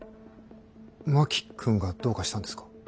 真木君がどうかしたんですか。